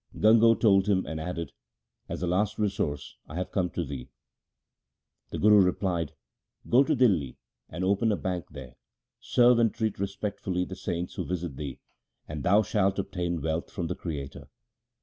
Gango told him and added, ' As a last resource I have come to thee.' The Guru replied, ' Go to Dihli and open a bank there, serve and treat respectfully the saints who visit thee, and thou shalt obtain wealth from the Creator.'